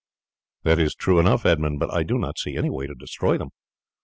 "That is true enough, Edmund, but I do not see any way to destroy them.